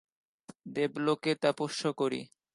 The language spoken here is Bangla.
দেবলোকে তপস্যা করি।